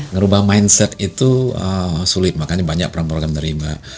ngerubah mindset itu sulit makanya banyak perampokan dari mbak